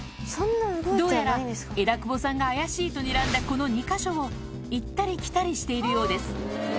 どうやら枝久保さんが怪しいとにらんだこの２か所を行ったり来たりしているようです。